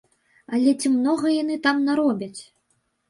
Але ці многа яны там наробяць?